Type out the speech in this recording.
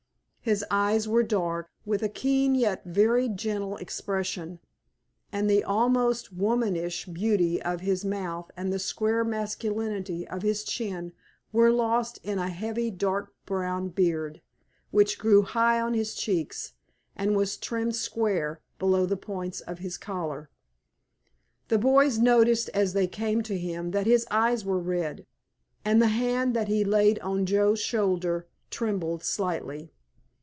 His eyes were dark, with a keen yet very gentle expression, and the almost womanish beauty of his mouth and the square masculinity of his chin were lost in a heavy dark brown beard which grew high on his cheeks and was trimmed square below the points of his collar. The boys noticed as they came to him that his eyes were red, and the hand that he laid on Joe's shoulder trembled slightly.